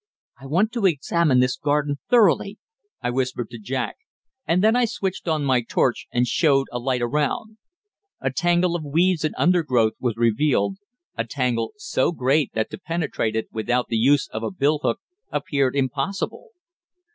"I want to examine this garden thoroughly," I whispered to Jack, and then I switched on my torch and showed a light around. A tangle of weeds and undergrowth was revealed a tangle so great that to penetrate it without the use of a bill hook appeared impossible.